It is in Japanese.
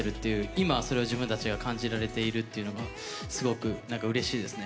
今それを自分たちが感じられているっていうのがすごくうれしいですね。